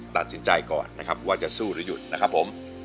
ตัดสินใจก่อนนะครับว่าจะสู้หรือหยุดนะครับผม